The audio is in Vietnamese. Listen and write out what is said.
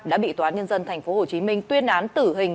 đã bị tòa án nhân dân tp hcm tuyên án tử hình